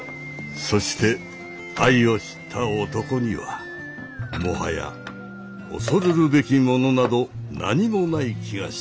そして愛を知った男にはもはや恐るるべきものなど何もない気がした。